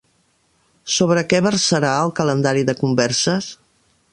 Sobre què versarà el calendari de converses?